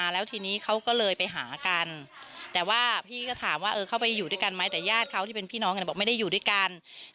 แล้วทีนี้เขาก็เลยไปหากันแต่ว่าพี่ก็ถามว่าเขาไปอยู่ด้วยกันไหมแต่ญาติเขาที่เป็นพี่น้องกันบอกไม่ได้อยู่ด้วยกัน